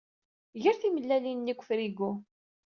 Ger timellalin-nni deg ufrigu.